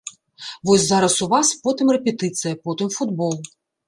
Вось зараз у вас, потым рэпетыцыя, потым футбол.